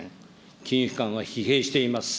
金融機関は疲弊しています。